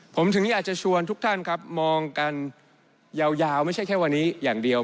ผมถึงอยากจะชวนทุกท่านครับมองกันยาวไม่ใช่แค่วันนี้อย่างเดียว